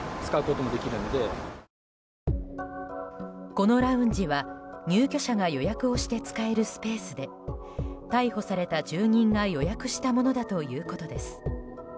このラウンジは入居者が予約をして使えるスペースで逮捕された住人が予約したものだということです。